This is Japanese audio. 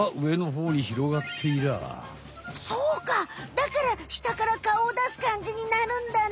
だから下から顔をだすかんじになるんだね。